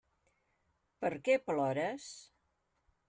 Per què plores?